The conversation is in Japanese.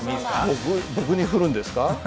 僕僕に振るんですか？